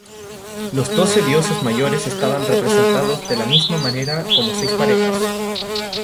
Los doce dioses mayores estaban representados de la misma manera como seis parejas.